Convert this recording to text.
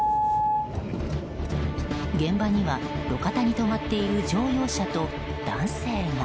現場には、路肩に止まっている乗用車と男性が。